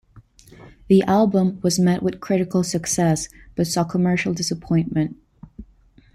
The album was met with critical success but saw commercial disappointment.